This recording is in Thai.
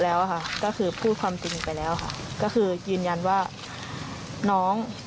แล้วค่ะก็คือพูดความจริงไปแล้วค่ะก็คือยืนยันว่าน้อง